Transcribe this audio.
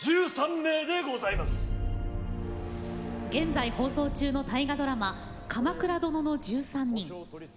現在放送中の大河ドラマ「鎌倉殿の１３人」。